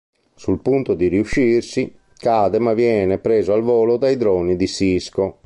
Sul punto di riuscirci, cade, ma viene preso al volo dai droni di Cisco.